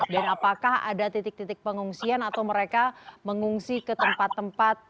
dan apakah ada titik titik pengungsian atau mereka mengungsi ke tempat tempat